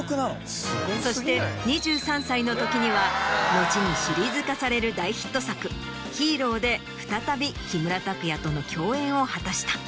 そして２３歳のときには後にシリーズ化される大ヒット作『ＨＥＲＯ』で再び木村拓哉との共演を果たした。